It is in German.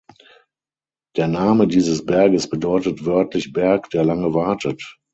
Der Name dieses Berges bedeutet wörtlich "Berg, der lange wartet".